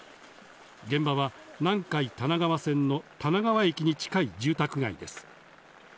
現場は南海多奈川線の多奈川駅に近い住宅街です。